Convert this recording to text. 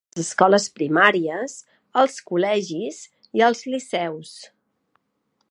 Són per a treballs de les escoles primàries, els col·legis i els liceus.